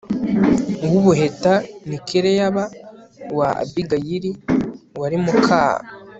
uw ubuheta ni kileyaba wa abigayili wari muka